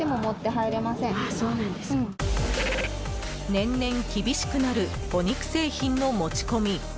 年々、厳しくなるお肉製品の持ち込み。